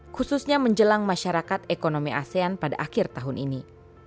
khususnya menjelang masyarakat ekonomi asean pada akhir tahun ini